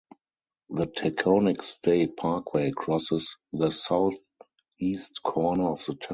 The Taconic State Parkway crosses the southeast corner of the town.